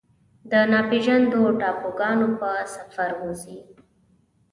د ناپیژاندو ټاپوګانو په سفر وځي